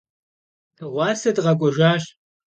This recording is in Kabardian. Dığuase dıkhek'uejjaş.